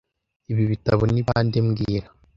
Ibi bitabo ni bande mbwira